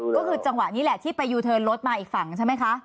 ก็คือจังหวะนี้แหละที่ไปยูเทิร์นรถมาอีกฝั่งใช่ไหมคะ